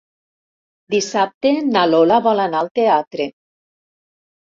Dissabte na Lola vol anar al teatre.